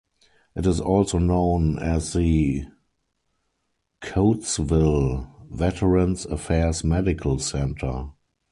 It is also known as the Coatesville Veterans Affairs Medical Center.